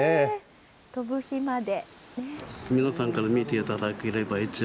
飛ぶ日まで。